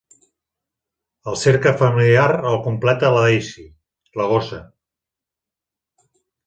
El cercle familiar el completa la Daisy, la gossa.